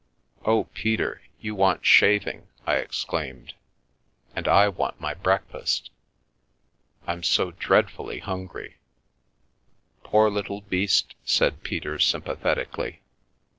" Oh, Peter, you want shaving !" I exclaimed, " and I want my breakfast. I'm so dreadfully hungry." "Poor little beast t" said Peter sympathetically.